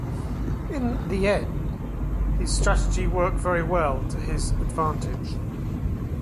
In the end, his strategy worked very well to his advantage.